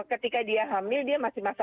ketika dia hamil dia masih masa